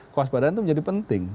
kewaspadaan itu menjadi penting